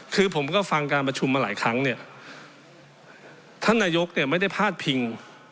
คือผมก็ฟังการประชุมมาหลายครั้งท่านนายกได้ไม่ได้พลาดพิง